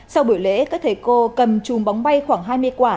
sau buổi lễ các thầy cô cầm chùm bóng bay khoảng hai mươi quả